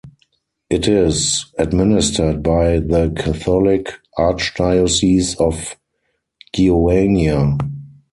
It is administered by the catholic archdiocese of Goiânia.